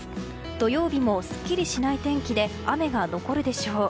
土曜日もすっきりしない天気で雨が残るでしょう。